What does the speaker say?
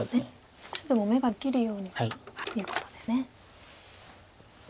少しでも眼ができるようにということですね。